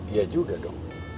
ya juga dong